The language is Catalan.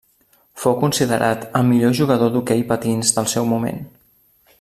Fou considerat el millor jugador d'hoquei patins del seu moment.